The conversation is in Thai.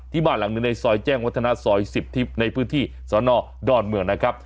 บ้านหลังหนึ่งในซอยแจ้งวัฒนาซอย๑๐ในพื้นที่สนดอนเมืองนะครับ